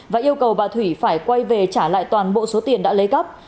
và yêu cầu bà thủy phải quay về trả lại toàn bộ số tiền đã lấy cắp